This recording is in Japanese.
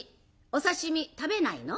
お刺身食べないの？